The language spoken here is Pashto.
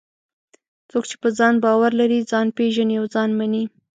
څوک چې په ځان باور لري، ځان پېژني او ځان مني.